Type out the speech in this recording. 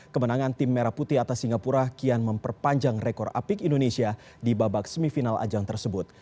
kemenangan tim merah putih atas singapura kian memperpanjang rekor apik indonesia di babak semifinal ajang tersebut